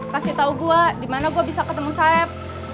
kasih tau gue dimana gue bisa ketemu saeb